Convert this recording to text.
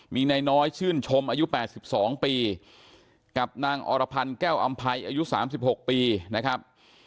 มีนายน้อยชื่นชมอายุ๘๒ปีกับนางอรพันธ์แก้วอำภัยอายุ๓๖ปีนะครับ